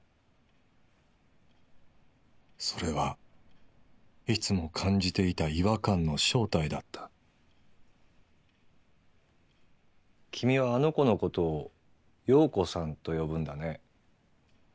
それはいつも感じていた違和感の正体だった君はあの子のことを葉子さんと呼ぶんだね。